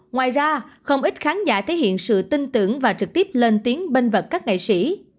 ngoài ra không ít khán giả thể hiện sự tin tưởng và trực tiếp lên tiếng binh vật các nghệ sĩ